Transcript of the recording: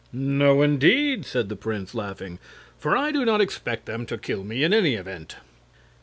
"No, indeed," said the prince, laughing; "for I do not expect them to kill me, in any event."